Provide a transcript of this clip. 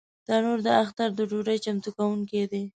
تنور د اختر د ډوډۍ چمتو کوونکی دی